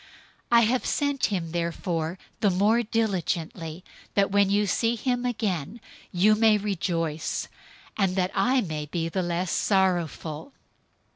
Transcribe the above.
002:028 I have sent him therefore the more diligently, that, when you see him again, you may rejoice, and that I may be the less sorrowful.